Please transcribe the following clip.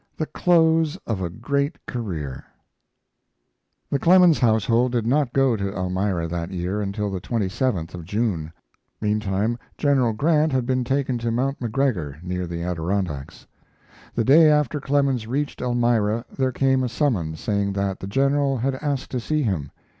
THE CLOSE OF A GREAT CAREER The Clemens household did not go to Elmira that year until the 27th of June. Meantime General Grant had been taken to Mount McGregor, near the Adirondacks. The day after Clemens reached Elmira there came a summons saying that the General had asked to see him.